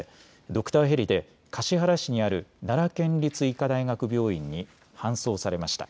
ドクターヘリで橿原市にある奈良県立医科大学病院に搬送されました。